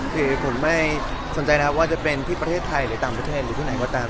คือผมไม่สนใจนะว่าจะเป็นที่ประเทศไทยหรือต่างประเทศหรือที่ไหนก็ตาม